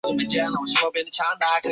久里滨线的铁路线。